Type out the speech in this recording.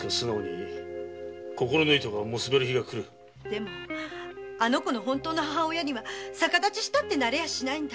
でもあの子の本当の母親には逆立ちしたってなれやしないんだ。